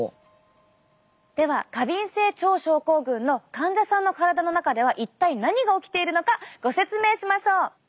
では過敏性腸症候群の患者さんの体の中では一体何が起きているのかご説明しましょう！